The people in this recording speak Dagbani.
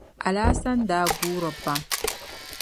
Alhassani daa guuri pam.